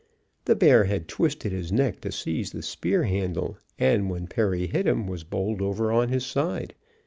The bear had twisted his neck to seize the spear handle, and when Perry hit him, was bowled over on his side.